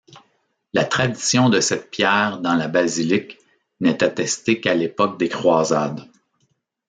La tradition de cette pierre dans la basilique n'est attestée qu'à l'époque des croisades.